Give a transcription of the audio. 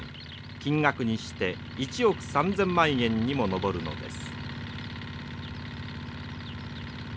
金額にして１億３，０００万円にも上るのです。